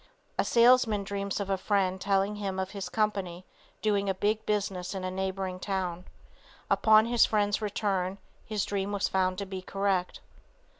A salesman dreams of a friend telling him of his company doing a big business in a neighboring town. Upon his friend's return his dream was found to be correct.